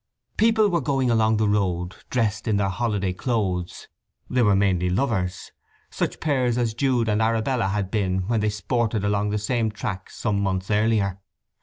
People were going along the road, dressed in their holiday clothes; they were mainly lovers—such pairs as Jude and Arabella had been when they sported along the same track some months earlier.